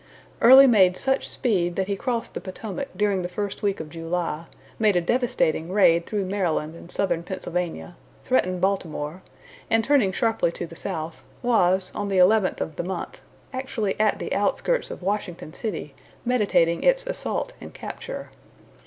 Early made such speed that he crossed the Potomac during the first week of July, made a devastating raid through Maryland and southern Pennsylvania, threatened Baltimore, and turning sharply to the south, was, on the eleventh of the month, actually at the outskirts of Washington city, meditating its assault and capture.